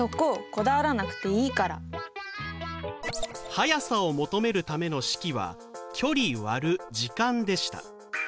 「速さ」を求めるための式は「距離」割る「時間」でした。